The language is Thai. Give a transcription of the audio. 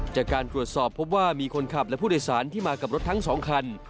จากการตรวจสอบพบว่ามีคนขับและผู้โดยสารที่มากับรถทั้ง๒คัน